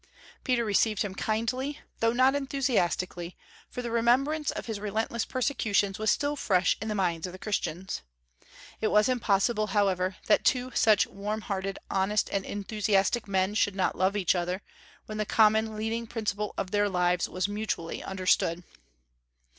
Peter received him kindly, though not enthusiastically, for the remembrance of his relentless persecutions was still fresh in the minds of the Christians. It was impossible, however, that two such warmhearted, honest, and enthusiastic men should not love each other, when the common leading principle of their lives was mutually understood.